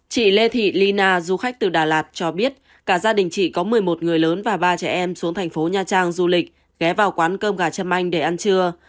chị lê thị ly na du khách từ đà lạt cho biết cả gia đình chị có một mươi một người lớn và ba trẻ em xuống thành phố nha trang du lịch ghé vào quán cơm gà châm anh để ăn trưa